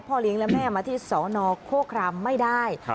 เลี้ยงและแม่มาที่สนโคครามไม่ได้